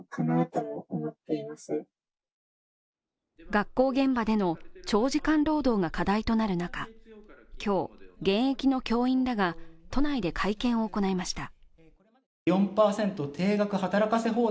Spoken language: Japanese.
学校現場での長時間労働が課題となる中、今日、現役の教員らが都内で会見を行いました。